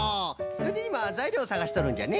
それでいまざいりょうをさがしとるんじゃね。